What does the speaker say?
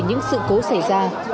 những sự cố xảy ra